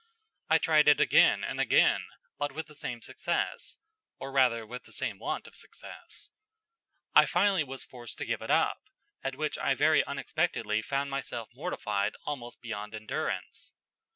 I tried it again and again, but with the same success, or rather with the same want of success. I finally was forced to give it up, at which I very unexpectedly found myself mortified almost beyond endurance.